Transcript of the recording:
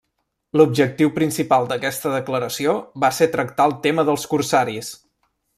L'objectiu principal d'aquesta declaració va ser tractar el tema dels corsaris.